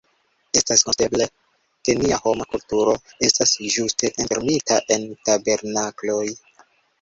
Estas konstateble, ke nia homa kulturo estas ĝuste enfermita en tabernakloj.